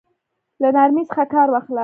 له نرمۍ څخه كار واخله!